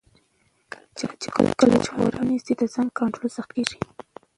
کله چې خوراک منع شي، ځان کنټرول سخت کېږي.